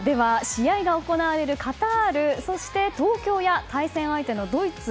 試合が行われるカタール、東京や対戦相手のドイツ。